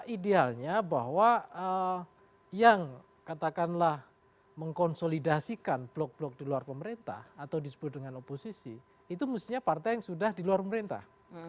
idealnya bahwa yang katakanlah mengkonsolidasikan blok blok di luar pemerintah atau disebut dengan oposisi itu mestinya partai yang sudah di luar pemerintah